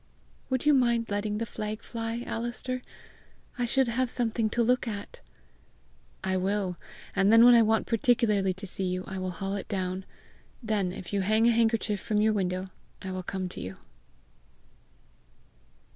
"Would you mind letting the flag fly, Alister? I should have something to look at!" "I will; and when I want particularly to see you, I will haul it down. Then, if you hang a handkerchief from your window, I will come to you."